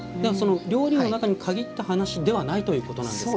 料理の中に限った話ではないということなんですか。